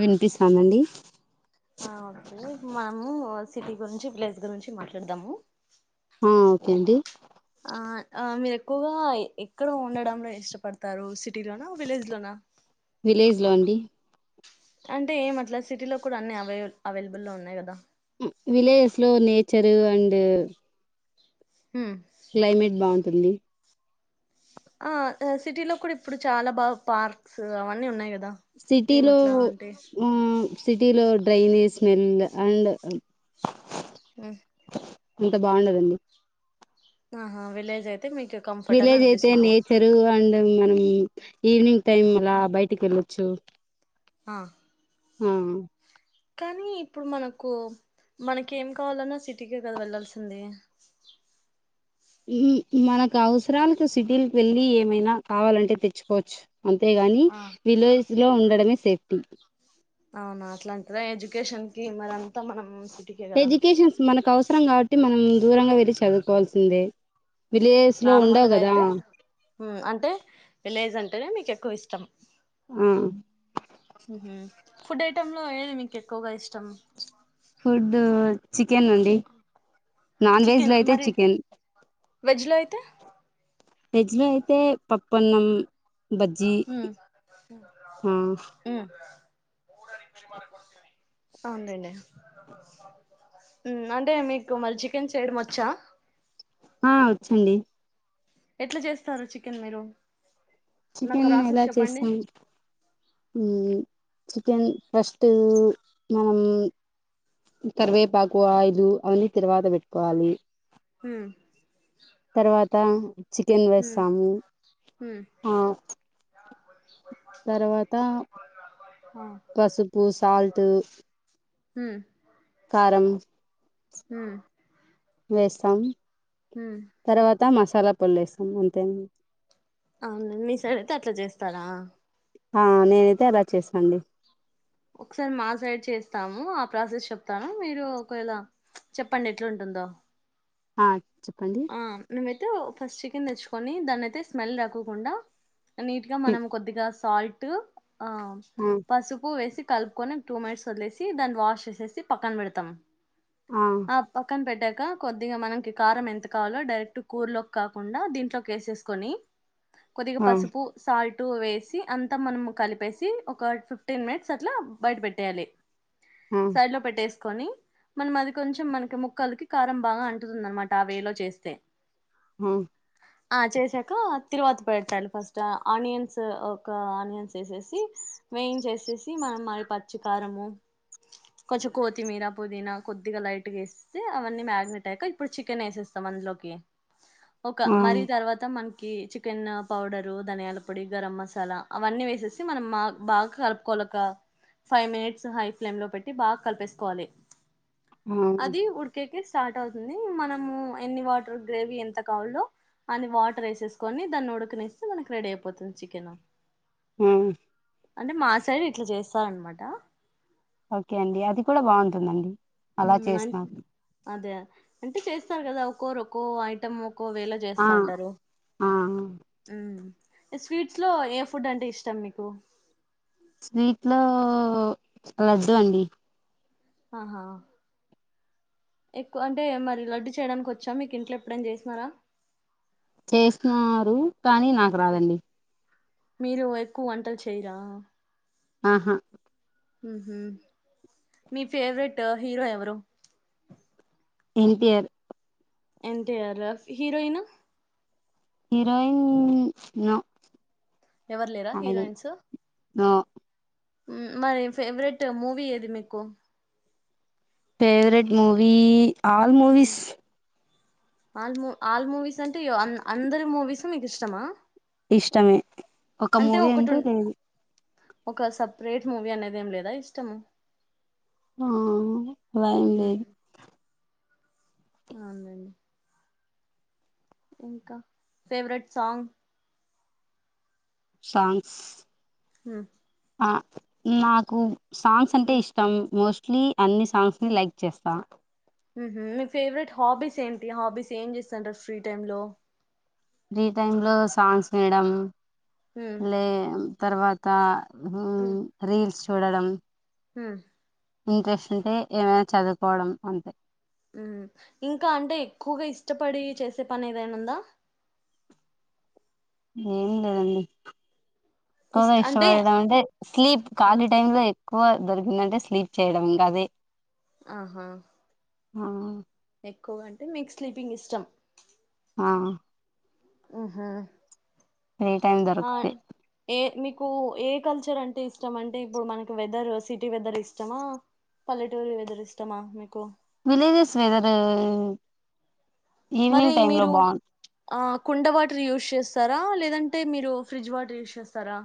వినిపిస్తందండి ఆ ఒకే మామూ సిటి గురించి ప్లెజ్ గురించి మాట్లడదాము ఉ ఓకే అండి ఆ ఆ మీరెక్కువగా ఎక్కడ ఉండడంలొ ఇష్టపడ్తారు సిటీ లోనా విలేజ్ లోనా విలేజ్ లో అండి అంటే ఏం అట్ల సిటి లొ కూడ అన్ని అవై అవైలబుల్ లో ఉన్నయి కదా ఉ విలేజ్ లో నేచరూ అండు ఉ క్లైమేట్ బాంటుంది ఆ అ సిటీ లో కూడ ఇప్పుడు చాల బాగ్ పార్క్సు అవన్ని ఉన్నాయి కద సిటీలో ఊ సిటీలో డ్రైనేజీ స్మెల్ అండ్ ఉ ఇంత బాగుండదండి ఆహా విలేజ్ ఐ విలేజ్ అయితే నేచరు అండ్ మనం ఈవినింగ్ టైం హ్మ్ అలా బయటికి వెళ్ళ చు ఆ ఉ కానీ ఇప్పుడు మనకు మనకి ఏం కావాలన్నా సిటీకి కదా వెళ్లాల్సింది. [inaudible] మనకు అవసరాలకు సిటీలకి వెళ్ళి ఏమైనా కావాలంటే తెచ్చుకోవచ్చు. అంతేగాని ఆ విలేజ్ లో ఉండడమే సేఫ్టీ అవునా అట్లా అంటారా ఎడ్యుకేషన్ కి మరంతా మనం సిటీకే కదా ఎడ్యుకేషన్స్ మనకు అవసరం కాబట్టి మనం దూరంగా వెళ్ళి చదువు కోవాల్సిందే నార్మల్గా అయితే అంటే విలేజ్ అంటేనే మీకు ఎక్కువ ఇష్టం. ఉమ్మ్ మ్మ్ ఫుడ్ ఐటెమ్ లో ఏది మీకు ఎక్కువగా ఇష్టం. ఫుడ్ చికెన్ అండి నాన్ వెజ్ చికెన్ లో అయితే మరి చికెన్ వెజ్ లో అయితే వేజ్ లో అయితే పప్పు అన్నం. ఉమ్ ఆ ఉమ్ [inaudible] అవునండి. అంటే మీకు మరి చికెన్ చేయడం వచ్చా. ఆ వచ్చండి. ఎట్లా చేస్తారు చికెన్ మీరు నాకు చికెన్ ప్రాసెస్ ఎలా చెప్పండి చేస్తాం. మ్మ్ చికెన్ ఫస్టు మనం కరివేపాకు ఆయిలు అవన్నీ తర్వాత పెట్టుకోవాలి. ఉమ్ తర్వాత చికెన్ వేసాము ఆ తర్వాత పసుపు, సాల్ట్ ఉమ్మ్ కారం వేస్తాం. మ్మ్ త మసాలా పొడ్లు ఎసుకున్నాం అంతే అండి అవును మీ సైడ్ అయితే అట్లా చేస్తారా. ఆ నేనైతే అలా చేస్తానండి. ఒకసారి మా సైడ్ చేస్తాము ఆ ప్రాసెస్ చెప్తాను మీరు ఒకవేళ చెప్పండి ఎట్లాంటుందో ఆ చెప్పండి ఆ మెమైతే ఫస్ట్ చికెన్ తెచ్చుకొని దాన్నియితే స్మెల్ రాకోకుండా నీట్గా మనం కొద్దిగా సాల్ట్ ఆ ఆ పసుపు వేసి కలుపుకొని టూ మినిట్స్ వదిలేసి దాన్ని వాష్ చేసేసి పక్కన పెడతాం. ఆ పక్కన పెట్టాక కొద్దిగా మనకి కారం ఎంత డైరెక్ట్ కూర లోకి కాకుండా దీంట్లోకి ఎసేసుకుని కొద్దిగా ఆ పసుపు సాల్ట్ టూ వేసి అంతా మనం కలిపేసి ఒక ఫిఫ్టీన్ మినిట్స్ అట్లా బయట పెట్టేయాలి. ఆ సైడ్ లో పెట్టేసి కొని మనం అది కొంచెం మనకి ముక్కలకి కారం బాగా అంటుతుంది అనమాట ఆ వేలో చేస్తే ఉమ్ ఆ చేసాక తిరువాతి పెట్టండి ఫస్ట్ ఆనియన్స్ ఒక ఆనియన్స్ ఎసేసి వేన్ చేసేసి మనం మరి పచ్చికారము కొంచెం కొత్తిమీర పుదీనా కొద్దిగా లైట్గా ఎసేసి అవన్నీ మ్యాగినేట్ అయ్యాక ఇప్పుడు చికెన్ ఎసేసి తమ అందులోకి ఒక ఆ మరి తర్వాత మన చికెన్ పౌడరు ధనియాల పొడి గరం మసాలా అవన్నీ వేసేసి మనం బాగా కలుపుకో లక ఫైవ్ మినిట్స్ హై ఫ్లేమ్ లో పెట్టి బాగా కలిపేసుకోవాలి అది ఆ ఉడికేకి స్టార్ట్ అవుతుంది మనము ఎన్ని వాటర్ గ్రేవీ ఎంత కావాలో అన్ని వాటర్ వేసేసుకొని దాన్ని ఉడుకనిస్తే మనకు రెడీ అయిపోతుంది చికెన్ ఉమ్ అంటే మా సైడ్ ఇట్లా చేస్తారనమాట ఓకే అండి అది కూడా బాగుంటుందండి అలా మ్మ్ అ చేసిన అదే అంటే చేస్తారు కదా ఒక్కోరు ఒక్కో ఐటెం కోవేళ ఆ చేస్తాంటారు ఆ ఉమ్ స్వీట్స్ లో ఏ ఫుడ్ అంటే ఇష్టం మీకు స్వీట్ లో లడ్డు అండి ఆహా ఎక్కువ అంటే మరి లడ్డు చేయడానికి వచ్చా మీకు ఇంట్లో ఎప్పుడైన చేసినార చేసినారు కానీ నాకు రాదండి మీరు ఎక్కువ వంటలు చేయరా ఆహా మీ ఫేవరెట్ హీరో ఎవరు ఎన్టీఆర్ ఎన్టీఆరా, హీరోయిన్ హీరోయిన్ న ఎవరు లేరా హీరోయిన్స్ నో మరి ఫేవరెట్ మూవి ఎది మీకు favourite movie all movies all మూ ఆల్ మూవీస్ అంటే అన్ అందరి మూవీస్ మీకు ఇష్టమా ఇష్టమే ఒక అంటే మూవీ ఒకటి అంటు లేదు ఒక సపరేట్ మూవీ అనేది ఏం లేదా ఇష్టము ఆ లేదు లేదు అవునులేండి ఇంకా ఫేవరెట్ సాంగ్ సాంగ్స్ ఉ నాకు సాంగ్స్ అంటే ఇష్టం మోస్ట్లీ అన్ని సాంగ్స్ ని లైక్ చేస్తా మీ ఫేవరెట్ హాబీస్ ఏంటి హాబీస్ ఏం చేస్తంటారు ఫ్రీ టైమ్ లో ఫ్రీ టైమ్ లో సాంగ్స్ వినడం లే తర్వాత ఉ రీల్స్ చూడడం ఉ ఇంట్రెస్ట్ ఉంటే ఏమైనా చదువుకోవడం అంతే ఉ ఇంకా అంటే ఎక్కువగా ఇష్టపడి చేసే పని ఏదైనా ఉందా ఏం లేదండి కువ ఇష్టపడేది అంటే స్లీప్ ఖాలీ టైమ్ లో ఎక్కువ దొరికిందంటే స్లీప్ చేయడం అదే ఆహా ఆ ఎక్కువగా అంటే మీకు స్లీపింగ్ ఇష్టం ఆ ఉహు ఫ్రీ టైం ఆ దొరికితే ఏ మీ కు ఏ కల్చర్ అంటే ఇష్టం అంటే ఇప్పుడు మనకి వెదర్ సిటీ వెదర్ ఇష్టమా పల్లెటూళ్ళ వెదరు ఇష్టమా మీకు విలేజస్ వెదరు మరి మీరు ఆ కుండ వాటర్ యూస్ చేస్ ఇస్తారా లేదంటే మీరు ఫ్రిడ్జ్ వాటర్ యూస్ చేస్తారా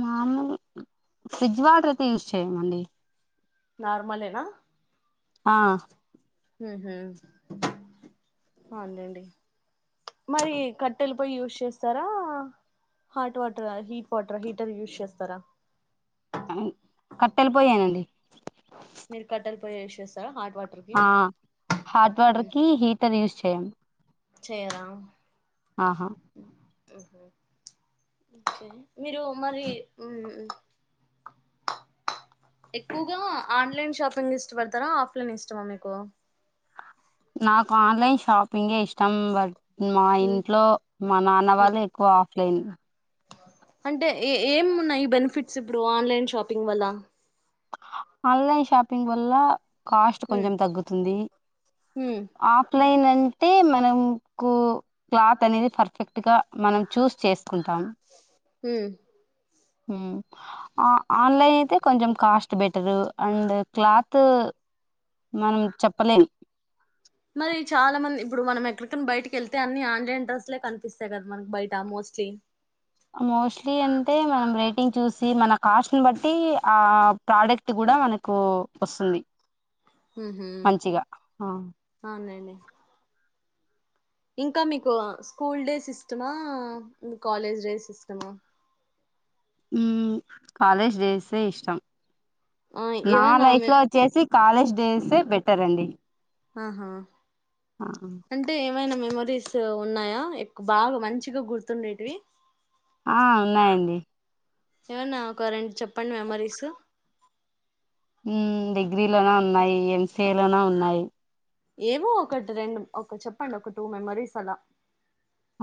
మామూ ఫ్రిడ్జ్ వాటర్ అయితే యూస్ చేయమండి నార్మలేనా ఆ ఉహు అవునులేండి మరి కట్టెలు పోయి యూస్ చేస్తారా hot water heat water heater use చేస్తారా కట్టెల పోయేనండి మీరు కట్టెల పోయే యూస్ చేస్తారా హాట్ వాటర్ ఆ కి హాట్ వాటర్ కి హీటర్ యూస్ చేయం చేయర ఆహా ఓహో కే మీరు మరి [inaudible] ఎక్కువగా ఆన్లైన్ షాపింగ్ ఇష్టపడతారా ఆఫ్లైన్ ఇష్టమా మీకు నాకు ఆన్లైన్ షాపింగ్య్ ఇష్టం బట్ మా మ్మ్ ఇంట్లో మా నాన్న వాళ్ళు ఎక్కువ ఆఫ్లైన్ అంటే ఏ ఏం ఉన్నాయి బెనిఫిట్స్ ఇప్పుడు ఆన్లైన్ షాపింగ్ వల్ల ఆన్లైన్ షాపింగ్ వల్ల కాస్ట్ హ్మ్ కొంచెం తగ్గుతుంది ఆఫ్లైన్ అంటే మనంకు క్లాత్ అనేది పర్ఫెక్ట్ గా మనం చూస్ చేసుకుంటాం హమ్ ఆన్లైన్ అయితే కొంచెం కాస్ట్ బెటరు అండ్ క్లాత్ మనం చెప్పలేము మరి చాలా మంది ఇప్పుడు మనం ఎక్కడికనా బయటికి వెళ్తే అన్ని ఆన్లైన్ంట్రెస్లే కనిపిస్తాయి కదా మనకి బయట ఆమోస్ట్ సే మోస్ట్లీ అంటే మనం రేటింగ్ చూసి మన కాస్ట్ని బట్టి ఆ ప్రోడక్ట్ కూడా కూడా మనకు వస్తుంది అహో మంచిగా అవునులేండి ఇంకా మీకు స్కూల్ డేస్ ఇష్టమా కాలేజ్ డేస్ ఇష్టమా కాలేజ్ డేస్నే ఇష్టం ఆ నా ఏవైనా లైఫ్ ఆమె లో వచ్చేసి కాలేజ్ డేస్యే బెటర్ అండి ఆహా ఆ అంటే ఎ మైన మెమరీస్ ఉన్నాయా ఎక్కువ బాగా మంచిగా గుర్తుండేటివి ఆ ఉన్నాయండి ఏమన్నా ఒకరెం చెప్పండి మెమరీస్ డిగ్రీలోన ఉన్నాయి ఎంసఏ లోన ఉన్నాయి ఏవో ఒకటి రెండు ఒక చెప్పండి ఒక టూ మెమరీస్ అలా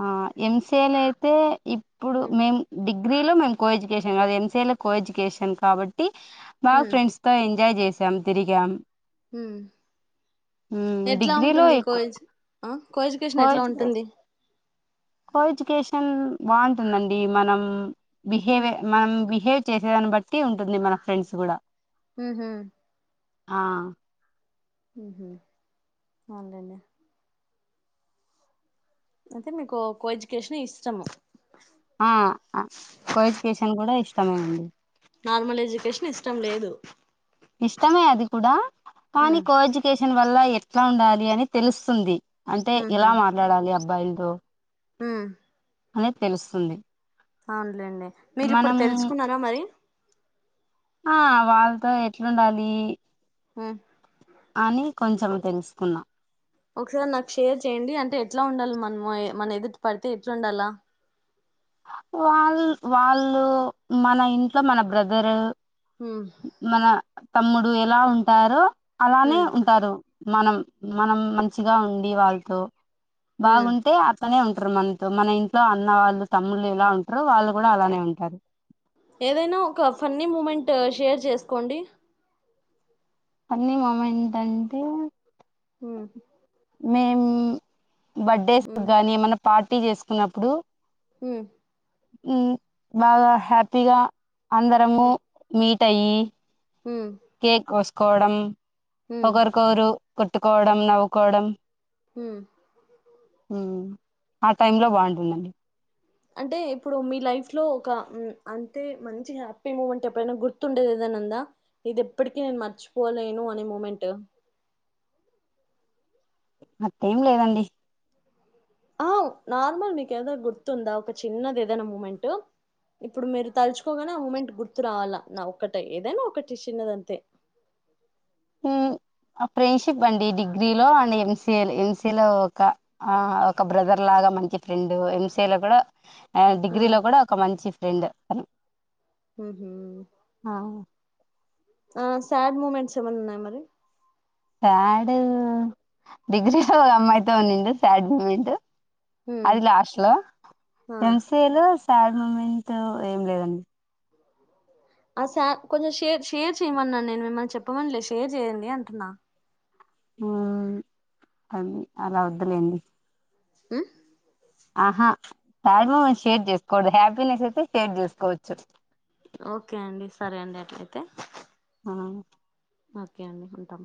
ఆ ఎంసఏల్ అయితే ఇప్పుడు హ్మ్ మేం డిగ్రీలో మే కోఎడ్యుకేషన్ కాదు ఎంసి కోఎడ్యుకేషన్ కాబట్టి మాకు ఫ్రెండ్స్ తో ఎంజాయ్ చేసి సన్ తిరిగాం ఉమ్ మ్మ్ ఎట్లా డిగ్రీలో ఉంటుంది ఎక్కువ కోజ్ కోజ్ కషన్ కో ఎట్లా ఎడ్యుకేషన్ ఉంటుంది కో ఎడ్యుకేషన్ బాగుంటుందండి మనం బిహేవియ హ్మ్ మనం బిహేవ చేసేదాన్ని బట్టి ఉంటుంది మన ఫ్రెండ్స్ కూడా ఉమ్మ్ మ్ ఆ ఉమ్ అవునులేండ్ అంటే మీకు కో కోఎడ్యుకేషన్ ఇష్టము ఆ కోఎజుకేషన్ కూడా ఇష్టమేనండి నార్మల్ ఎడ్యుకేషన్ ఇష్టం లేదు ఇష్టమే అది కూడా కానీ హ్మ్ కోఎడ్యుకేషన్ వల్ల ఎట్లా ఉండాలి అని తెలుస్తుంది అంటే ఎలా మాట్లాడాలి అబ్బాయిలతో మ్మ్ అనే తెలుస్తుంది అవునులేండి మీరిప్పుడు మనం తెలుసుకున్నారా మరి ఆ వాళ్ళతో ఎట్లుండాలి ఆ అని కొంచెం తెలుసుకున్నాం ఒకసారి నాకు షేర్ చేయ్యడి అంటే ఎట్లా ఉండాలి మనము మన ఎదుటి పడితే ఎట్లా ఉండాలా వాళ్ళు వాళ్ళు మన ఇంట్లో మన బ్రదరు హ్మ్ మన తమ్ముడు ఎలా ఉంటారో అలానే హ్మ్ ఉంటారు మనం మనం మంచిగా ఉండి వాళ్ళతో హ్మ్ బాగుంటే అతనే ఉంటు మనతో మన ఇంట్లో అన్న వాళ్ళు తమ్ముళ్ళ ఇలా ఉంటారు వాళ్ళు కూడా అలానే ఉంటారు ఏదైనా ఒక ఫన్నీ మూమెంట్ షేర్ చేసుకోండి పన్నీ మూమెంట్ అంటే హమ్ మేం బర్త్డేస్ హ్మ్ గాని ఏమన్నా పార్టీ చేసుకున్నప్పుడు హమ్ బాగా హ్యాపీగా అందరము హ్మ్ మీట్ అయ్యి హ్మ్ కేక్ కోసుకోవడం హ్మ్ ఒకరికొకరు కొట్టుకోవడం నవ్వుకోవడం ఉమ్ ఆ టై లో బాగుంటుందండి అంటే ఇప్పుడు మీ లైఫ్ లో ఒక అంతే మంచి హ్యాపీ మూమెంట్ ఎప్పుడైనా గుర్తుండేది ఎదైనా ఉందా ఇది ఎప్పటికీ నేను మర్చిపోలేను అనే మూమెంట్ అటా ఎం లేదండి ఆ నార్మల్ మీకు ఏదో గుర్తుందా ఒక చిన్నది ఏదైనా మూమెంట్ ఇప్పుడు మీరు తలుచుకోగానే ఆ మూమెంట్ గుర్తు రావాలా నా ఒక్కట ఏదైనా ఒకటి చిన్నదంతే హమ్ ఆ ఫ్రెండ్షిప్ అండి డిగ్రీ లో అండ్ ఎంసిఏ ఎంసిఏ లో ఒక ఆ ఒక బ్రదర్ లాగా మంచి ఫ్రెండ్ ఎంసీఎ లో కూడా డిగ్రీ హ్మ్ లో కూడా ఒక మంచి ఫ్రెండ్ ఉహుమ్ ఆ శాడ్ మూమెంట్స్ ఏమన్నా ఉన్నాయా మరి స్యాడ్ డిగ్రీలో ఒక అమ్మాయితో ఉనింది స్యాడ్ మూమెంట్ హ్మ్ అది లాస్ట్ లో ఆ ఎంసిఏ లో శ్యాడ్ మూమెంట్ ఏం లేదండి ఆ శ్వాడ్ కొంచెం షేర్ షేర్ చేయమన్నాను నేను మిమ్మల్ని చెప్పమని లేదు షేర్ చేయండి అంటున్నా ఉమ్ అని అలా వద్దలేండి ఉమ్ ఆహా శ్వాడ్ మూమెంట్స్ షేర్ చేసుకోకూడదు హ్యాపీనెస్ అయితే షేర్ చేసుకోవచ్చు ఓకే అండి సరే అండి ఎట్లాయితే ఆమ్ ఓకే అండి ఉంటాం